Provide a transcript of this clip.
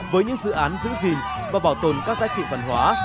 với những dự án giữ gìn và bảo tồn các giá trị văn hóa